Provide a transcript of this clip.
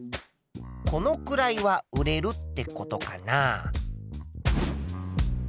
このくらいは売れるってことかな？